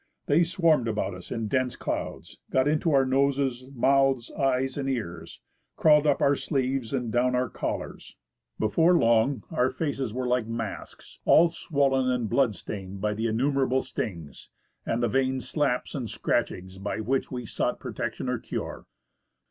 They swarmed about us in dense clouds, got into our noses, mouths, eyes, and ears, crawled up our sleeves and down our collars. Before long our faces were like masks, all swollen and blood stained by the innumerable 174 ffl < o I— < w RETaRN FROM MOUNT ST. ELIAS TO YAKUTAT stings, and the vain slaps and scratchings by which we sought protection or cure.